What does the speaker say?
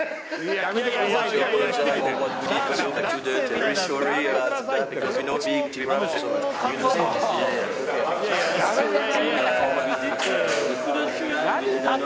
やめてくださいって。